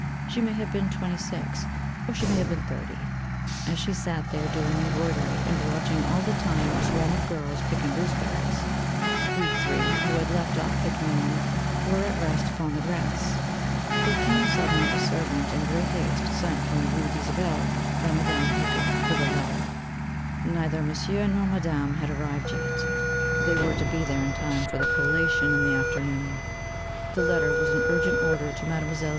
She may have been twenty six: or she may have been thirty. As she sat there, doing embroidery, and watching all the time a swarm of girls picking gooseberries, we three, who had left off picking them, were at rest upon the grass, there came, suddenly, a servant in great haste sent from the Rue d'Isabelle by Madame Heger, with a letter: neither Monsieur nor Madame had arrived yet, they were to be there in time for the collation in the afternoon. The letter was an urgent order to Mlle.